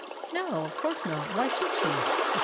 No, of course not! Why should she? etc.